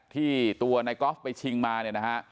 ที่ตัวไนกอฟก็ไปชิงมาเนี่ยนะฮะ